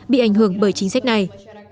bị ảnh hưởng bởi chính sách này